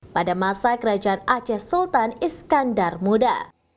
pada masa kerajaan aceh sultan iskandar muda